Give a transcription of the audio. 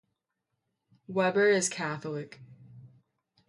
Webber is Catholic.